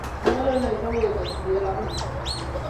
Umore ona izango dute bidelagun.